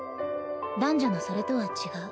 男女のそれとは違う。